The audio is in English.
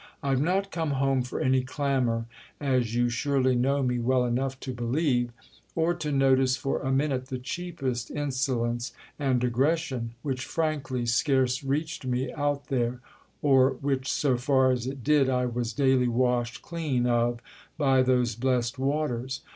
"I've not come home for any clamour, as you surely know me well enough to believe; or to notice for a minute the cheapest insolence and aggression—which frankly scarce reached me out there; or which, so far as it did, I was daily washed clean of by those blest waters.